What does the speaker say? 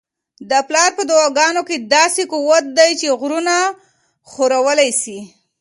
د پلار په دعاګانو کي داسې قوت دی چي غرونه ښورولی سي.